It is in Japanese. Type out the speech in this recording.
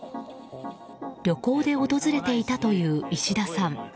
旅行で訪れていたという石田さん。